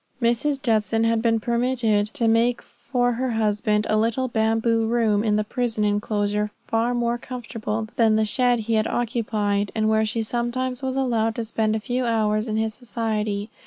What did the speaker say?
Mrs. Judson had been permitted to make for her husband a little bamboo room in the prison enclosure far more comfortable than the shed he had occupied and where she sometimes was allowed to spend a few hours in his society.